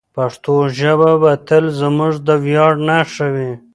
پښتو ژبه به تل زموږ د ویاړ نښه وي.